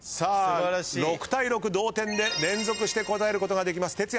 ６対６同点で連続して答えることができます。